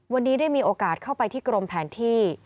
วันนี้ได้มีโอกาสเข้าไปที่กรมแผนที่